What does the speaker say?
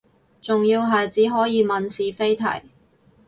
仲要係只可以問是非題